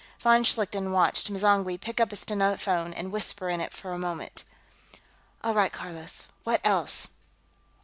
Von Schlichten watched M'zangwe pick up a stenophone and whisper into it for a moment. "All right, Carlos, what else?"